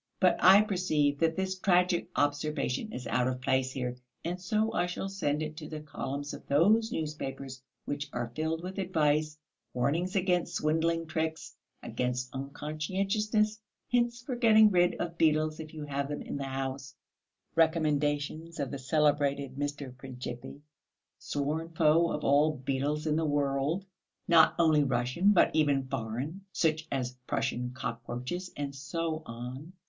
But I perceive that this tragic observation is out of place here, and so I shall send it to the columns of those newspapers which are filled with advice, warnings against swindling tricks, against unconscientiousness, hints for getting rid of beetles if you have them in the house, recommendations of the celebrated Mr. Princhipi, sworn foe of all beetles in the world, not only Russian but even foreign, such as Prussian cockroaches, and so on.